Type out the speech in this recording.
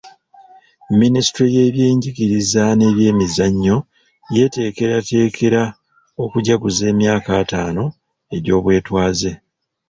Minisitule y'ebyenjigiriza n'ebyemizannyo yeteekeratekera okujjaguza emyaka ataano egy'obwetwaaze